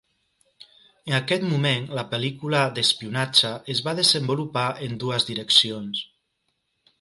En aquest moment la pel·lícula d'espionatge es va desenvolupar en dues direccions.